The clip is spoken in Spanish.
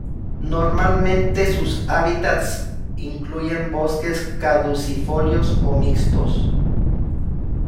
Normalmente, sus hábitats incluyen bosques caducifolios o mixtos.